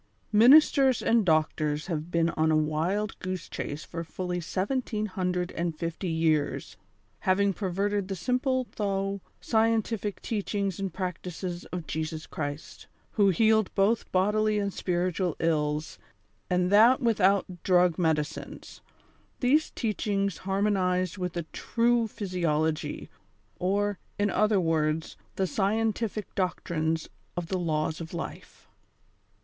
Ministers and doctors have been on a wild goose chase for fully seventeen hundred and fifty years, having perverted tlie simple though scientific teachings and practices of Jesus Christ, who healed both bodily and spiritual ills, and that without drug medicines — these teachings harmonized with a true physiology, or, in other words, the scientific doctrines of the Laics of Life.